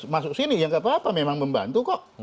masuk sini ya nggak apa apa memang membantu kok